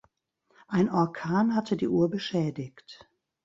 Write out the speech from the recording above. Ein Orkan hatte die Uhr beschädigt.